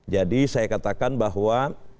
jadi saya katakan bahwa